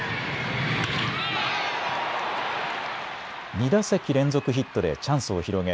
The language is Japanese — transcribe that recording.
２打席連続ヒットでチャンスを広げ